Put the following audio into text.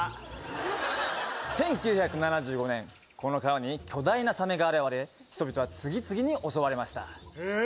１９７５年この川に巨大なサメが現れ人々は次々に襲われましたへえ